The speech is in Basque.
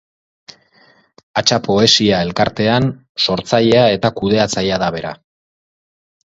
Hatsa poesia elkartean sortzailea eta kudeatzailea da bera.